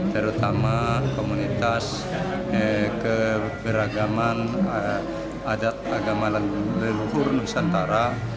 terutama komunitas keberagaman adat agama leluhur nusantara